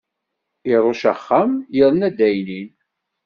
Irucc axxam yerna addaynin.